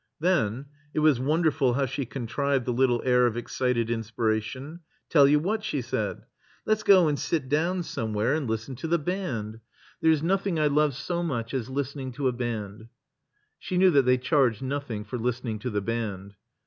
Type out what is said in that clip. Then (it was wonderful how she contrived the lit tle air of excited inspiration), "Tell you what," she said, "let's go and sit down somewhere and 360 THE COMBINED MAZE listen to the band. There's nothing I love so much as listening to a band." She knew that they charged nothing for listening to the band.